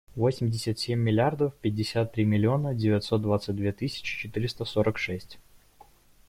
Восемьдесят семь миллиардов пятьдесят три миллиона девятьсот двадцать две тысячи четыреста сорок шесть.